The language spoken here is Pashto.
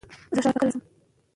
زه ښار ته کله ځم؟